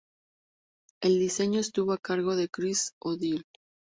El diseño estuvo a cargo de Chris O'Dell.